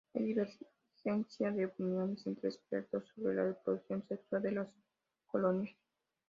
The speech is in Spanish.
Hay divergencia de opiniones entre expertos sobre la reproducción sexual de las colonias.